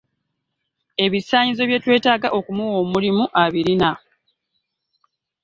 Ebisaanyizo bye twetaaga okumuwa omulimu abirina.